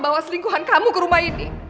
bawa selingkuhan kamu ke rumah ini